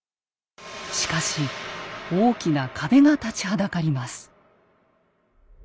しかし大きな壁が立ちはだかります。